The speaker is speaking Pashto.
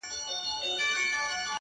گراني په تاڅه وسول ولي ولاړې ;